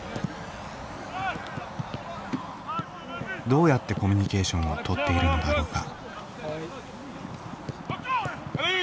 どうやってコミュニケーションをとっているのだろうか。